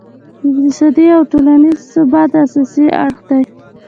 د اقتصادي او ټولینز ثبات اساسي اړخ دی.